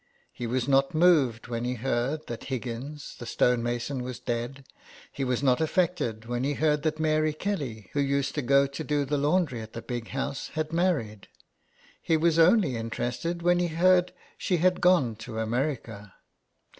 He was not moved when he heard that Higgins the stone mason was dead ; he was not affected when he heard that Mary Kelly, who used to go to do the laundry at the Big House, had married ; he was only interested when he heard she had gone to America.